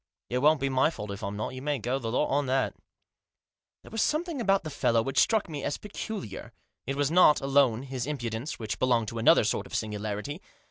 It won't be my fault if I'm not ; you may go the lot on that" There was something about the fellow which struck me as peculiar ; it was not alone his impudence, which belonged to another sort of singularity.